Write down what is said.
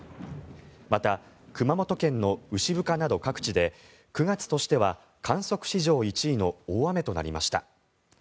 また、熊本県の牛深など各地で９月としては観測史上１位の大雨となりました。